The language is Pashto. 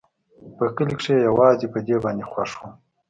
په کلي کښې يوازې په دې باندې خوښ وم.